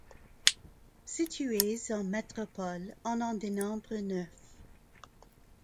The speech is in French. Situés en métropole, on en dénombre neuf.